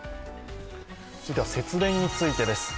続いては節電についてです。